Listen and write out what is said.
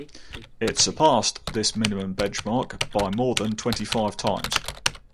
It surpassed this minimum benchmark by more than twenty-five times.